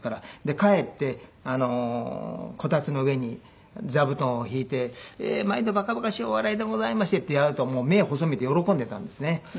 帰ってコタツの上に座布団を敷いて「毎度馬鹿馬鹿しいお笑いでございまして」ってやると目細めて喜んでたんですね。